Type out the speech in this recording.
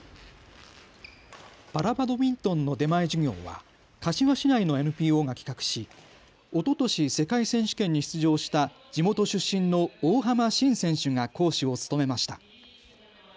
パラバドミントンの出前授業は柏市内のＮＰＯが企画し、おととし世界選手権に出場した地元出身の大濱真選手が講師を務めました。